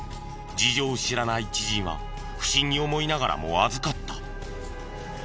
事情を知らない知人は不審に思いながらも預かった。